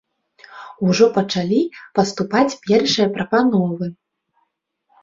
Ужо пачалі паступаць першыя прапановы.